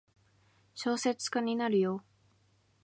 小説家になるよ。